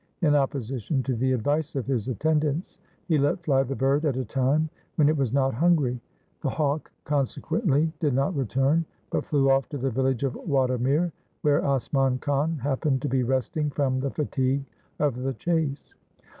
In opposition to the advice of his attendants, he let fly the bird at a time when it was not hungry. The hawk consequently did not return, but flew off to the village of Wadamir, where Asman Khan happened to be resting from the fatigue of the chase.